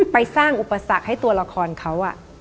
ไปสร้างอุปสรรคให้ตัวละครเขา